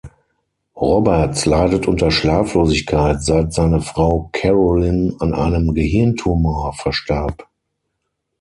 Roberts leidet unter Schlaflosigkeit, seit seine Frau Carolyn an einem Gehirntumor verstarb.